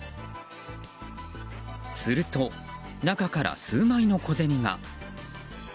すると中から数枚の小銭が。